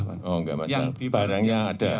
oh enggak masalah barangnya ada